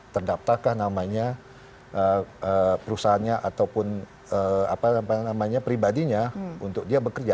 terdaptakah namanya perusahaannya ataupun apa namanya pribadinya untuk dia bekerja